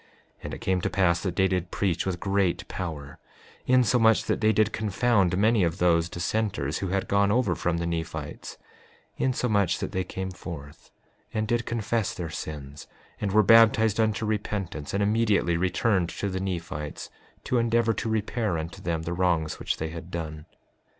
5:17 And it came to pass that they did preach with great power, insomuch that they did confound many of those dissenters who had gone over from the Nephites, insomuch that they came forth and did confess their sins and were baptized unto repentance, and immediately returned to the Nephites to endeavor to repair unto them the wrongs which they had done.